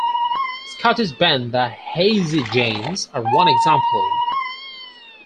Scottish band The Hazey Janes are one example.